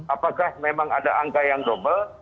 apakah memang ada angka yang double